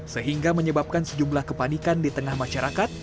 sehingga menyebabkan sejumlah kepanikan di tengah masyarakat